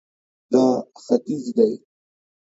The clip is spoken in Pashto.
دا ختیځ دی